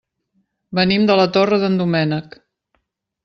Venim de la Torre d'en Doménec.